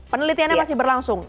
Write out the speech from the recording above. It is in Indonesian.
penelitiannya masih berlangsung